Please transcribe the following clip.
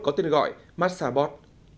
có tên gọi massabot